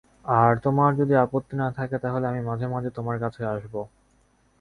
আর তোমার যদি আপত্তি না থাকে, তাহলে আমি মাঝে-মাঝে তোমার কাছে আসব।